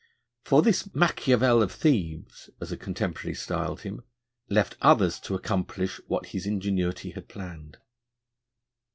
For 'this Machiavel of Thieves,' as a contemporary styled him, left others to accomplish what his ingenuity had planned.